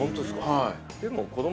はい。